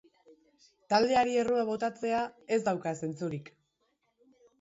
Taldeari errua botatzea ez dauka zentzurik.